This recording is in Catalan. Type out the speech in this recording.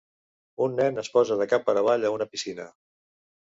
Un nen es posa de cap per avall a una piscina.